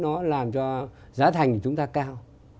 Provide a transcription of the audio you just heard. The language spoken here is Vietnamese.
nó làm cho chúng ta thành thì chúng ta cao